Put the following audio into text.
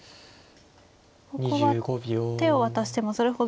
ここは手を渡してもそれほど。